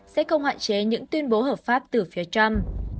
sẽ không hạn chế những tuyên bố hợp pháp từ phía trump